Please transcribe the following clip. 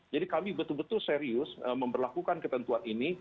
jadi kami betul betul serius memperlakukan ketentuan ini